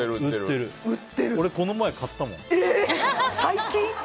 俺、この前買ったもん。